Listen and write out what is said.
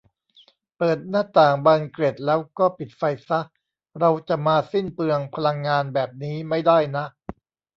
เปิดหน้าต่างบานเกล็ดแล้วก็ปิดไฟซะ เราจะมาสิ้นเปลืองพลังงานแบบนี้ไม่ได้นะ